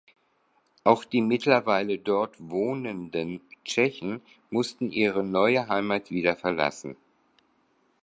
Auch die mittlerweile dort wohnenden Tschechen mussten ihre neue Heimat wieder verlassen.